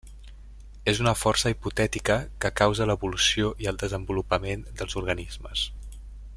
És una força hipotètica que causa l'evolució i el desenvolupament dels organismes.